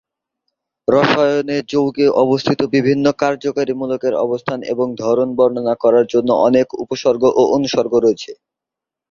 রসায়নে, যৌগে অবস্থিত বিভিন্ন কার্যকরী মূলকের অবস্থান এবং ধরন বর্ণনা করার জন্য অনেক উপসর্গ ও অনুসর্গ রয়েছে।